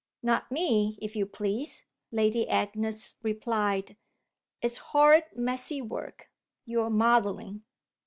"Not me, if you please!" Lady Agnes replied. "It's horrid messy work, your modelling."